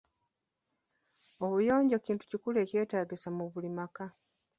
Obuyonjo kintu ekikulu ekyetaagisa mu buli maka.